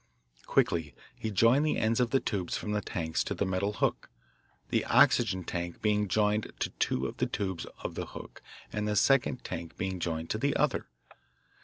Quickly he joined the ends of the tubes from the tanks to the metal hook, the oxygen tank being joined to two of the tubes of the hook, and the second tank being joined to the other.